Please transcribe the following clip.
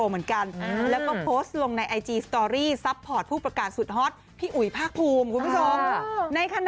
เป็นแฟนคลับค่ะน่ารักมาก